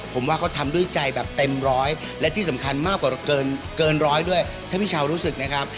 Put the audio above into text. ผมว่าเขาทำด้วยใจแบบเต็มร้อยและที่สำคัญมากกว่าเกินร้อยด้วยถ้าพี่ชาวรู้สึกนะครับ